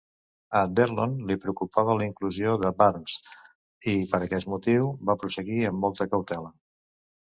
A D'Erlon li preocupava la incursió de Barnes i, per aquest motiu, va prosseguir amb molta cautela.